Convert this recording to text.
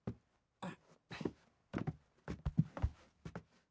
あっ！